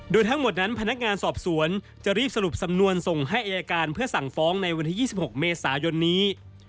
โดยทั้งหมดนั้นพนักงานสอบสวนจะรีบสรุปสำนวนส่งให้อายการเพื่อสั่งฟ้องในวันที่๒๖เมษายนนี้